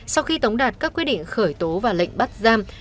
sau khi tống đạt các quyết định khởi tố và lệnh bắt giam